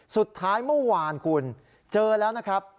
สุดท้ายเมื่อวานคุณเจอแล้วนะครับ